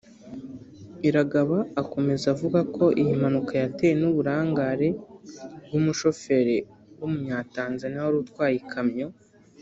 Iragaba akomeza avuga ko iyi mpanuka yatewe n’uburangare bw’umushoferi w’umunyatanzania wari utwaye ikamyo